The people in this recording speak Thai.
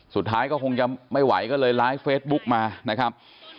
สุดท้ายก็คงจะไม่ไหวก็เลยไลฟ์เฟซบุ๊กมานะครับ